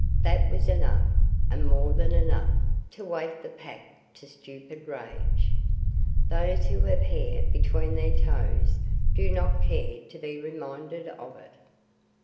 That was enough, and more than enough, to wake the Pack to stupid rage. Those who have hair between their toes do not care to be reminded of it.